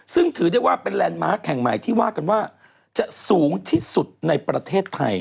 ซึ่งถือได้ว่าเป็นแลนด์มาร์คแห่งใหม่ที่ว่ากันว่าจะสูงที่สุดในประเทศไทย